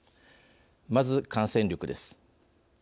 まず、感染力です。